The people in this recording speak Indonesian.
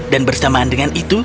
dan bersamaan dengan itu